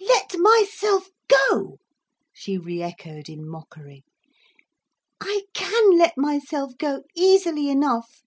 "Let myself go!" she re echoed in mockery. "I can let myself go, easily enough.